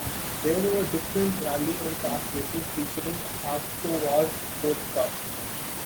There were different rally and track races featuring Avtovaz sports cars.